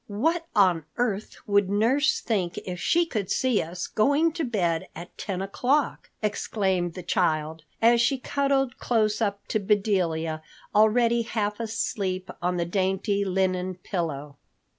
"What on earth would nurse think if she could see us going to bed at ten o'clock?" exclaimed the child, as she cuddled close up to Bedelia, already half asleep on the dainty linen pillow.